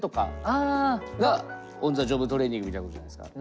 あ！がオン・ザ・ジョブトレーニングみたいなことじゃないですか。